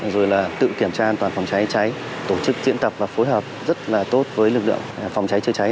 rồi là tự kiểm tra an toàn phòng cháy trễ cháy tổ chức tiễn tập và phối hợp rất là tốt với lực lượng phòng cháy trễ cháy